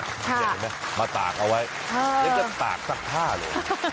แบบอย่างนี้เห็นไหมมาตากเอาไว้งั้นจะตากซักผ้าเลย